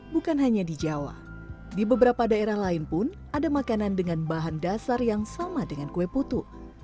bukan hanya di jawa di beberapa daerah lain pun ada makanan dengan bahan dasar yang sama dengan kue putu